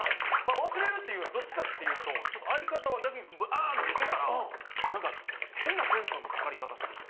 忘れるっていうよりどっちかっていうと相方は逆にバンってウケたら何か変なテンションのかかり方して来る。